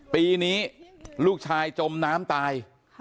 ปีนี้ลูกชายจมน้ำตาย